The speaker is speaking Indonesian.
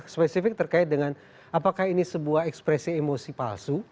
spesifik terkait dengan apakah ini sebuah ekspresi emosi palsu